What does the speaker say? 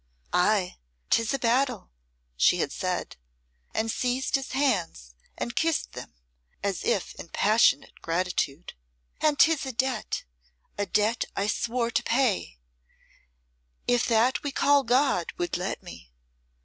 "Ay, 'tis a battle," she had said, and seized his hands and kissed them as if in passionate gratitude. "And 'tis a debt a debt I swore to pay if that we call God would let me.